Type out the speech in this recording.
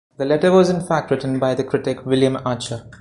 The letter was in fact written by the critic William Archer.